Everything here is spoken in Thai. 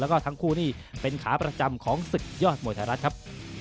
แล้วก็ทั้งคู่นี่เป็นขาประจำของศึกยอดมวยไทยรัฐครับ